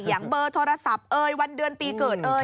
อย่างเบอร์โทรศัพท์วันเดือนปีเกิด